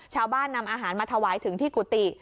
ชาวบ้านนำอาหารมาถวายถึงที่กุฏิ